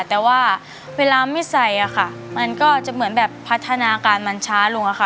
แต่ว่าเวลาไม่ใส่อะค่ะมันก็จะเหมือนแบบพัฒนาการมันช้าลงอะค่ะ